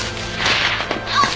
あっ！